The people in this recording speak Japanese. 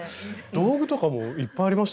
道具とかもいっぱいありましたもんね。